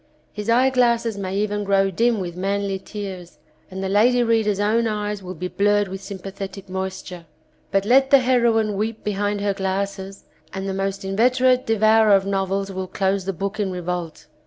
His eyeglasses may even grow dim with manly tears, and the lady readers' own eyes will be blurred with sympathetic moisture. But let the heroine weep behind her glasses and the most inveterate devourer of novels will close the book in revolt.